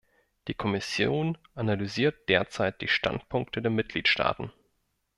Die Kommission analysiert derzeit die Standpunkte der Mitgliedstaaten.